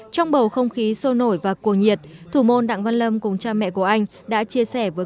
trong bầu không khí sôi nổi và cuồng nhiệt thủ môn đặng văn lâm cùng cha mẹ của anh đã chia sẻ với